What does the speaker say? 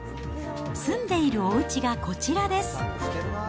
住んでいるおうちがこちらです。